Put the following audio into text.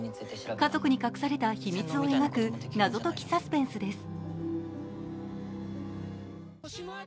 家族に隠された秘密を描く謎解きサスペンスです。